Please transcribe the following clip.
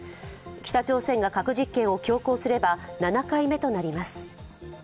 北朝鮮が核実験を強行すれば７回目となります。